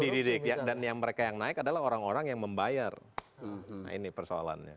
dididik dan yang mereka yang naik adalah orang orang yang membayar nah ini persoalannya